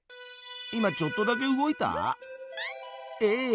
今ちょっとだけ動いた？ええ？